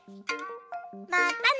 またね！